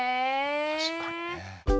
確かにね。